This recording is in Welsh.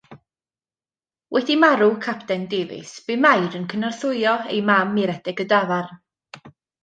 Wedi marw Capten Davies bu Mair yn cynorthwyo ei mam i redeg y dafarn.